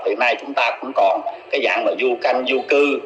hiện nay chúng ta cũng còn cái dạng là du canh du cư